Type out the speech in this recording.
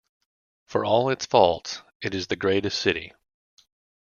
For all its faults, it is the greatest city.